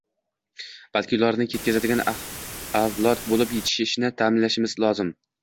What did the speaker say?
balki ularni ketkazadigan avlod bo‘lib yetishishini ta’minlashimiz lozim.